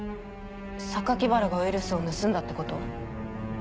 原がウイルスを盗んだってこと？